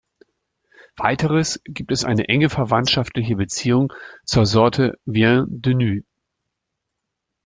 Weiters gibt es eine enge verwandtschaftliche Beziehung zur Sorte Vien de Nus.